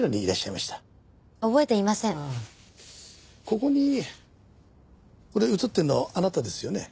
ここにこれ写ってるのあなたですよね？